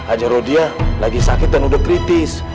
aja rodiah lagi sakit dan udah kritis